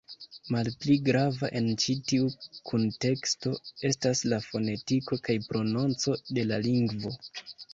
Malpli grava en ĉi tiu kunteksto estas la fonetiko kaj prononco de la lingvo.